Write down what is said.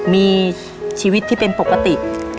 มีชีวิตที่เป็นปกติ